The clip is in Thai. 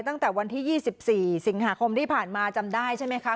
ตั้งแต่วันที่๒๔สิงหาคมที่ผ่านมาจำได้ใช่ไหมคะ